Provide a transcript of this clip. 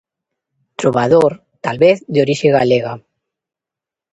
Trobador, talvez de orixe galega.